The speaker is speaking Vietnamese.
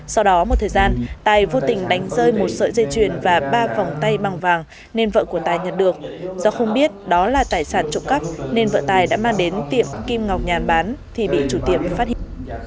sau đó một thời gian tài vô tình đánh rơi một sợi dây chuyền và ba vòng tay bằng vàng nên vợ của tài nhận được do không biết đó là tài sản trộm cắp nên vợ tài đã mang đến tiệm kim ngọc nhàn bán thì bị chủ tiệm phát hiện